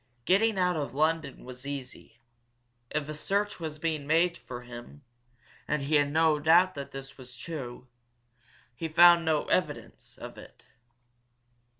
Getting out of London was easy. If a search was being made for him and he had no doubt that that was true he found no evidence of it.